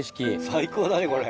最高だねこれ。